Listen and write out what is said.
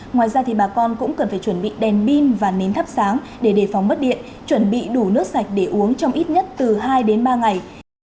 ngoài ra thì bà con cũng cần phải chuẩn bị đèn pin và nến thắp sáng để đề phóng mất điện chuẩn bị đủ nước sạch để uống trong ít nhất từ hai đến ba ngày